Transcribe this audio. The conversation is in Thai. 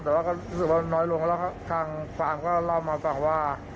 แต่ว่าก็รู้สึกว่าน้อยลงแล้วทางฟาร์มก็เล่ามาฟังว่า